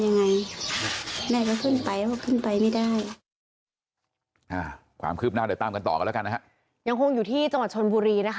ยังคงอยู่ที่จังหวัดชนบุรีนะครับ